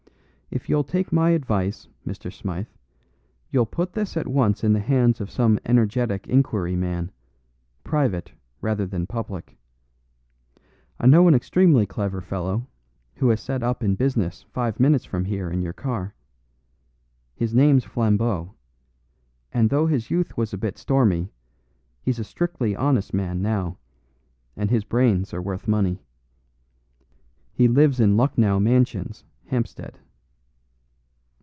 If you'll take my advice, Mr. Smythe, you'll put this at once in the hands of some energetic inquiry man, private rather than public. I know an extremely clever fellow, who has set up in business five minutes from here in your car. His name's Flambeau, and though his youth was a bit stormy, he's a strictly honest man now, and his brains are worth money. He lives in Lucknow Mansions, Hampstead."